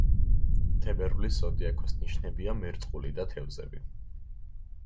თებერვლის ზოდიაქოს ნიშნებია მერწყული და თევზები.